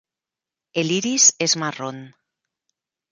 El iris es marrón.